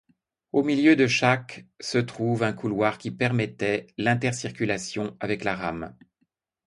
Au milieu de chaque se trouve un couloir qui permettait l'intercirculation avec la rame.